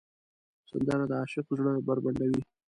سندره د عاشق زړه بربنډوي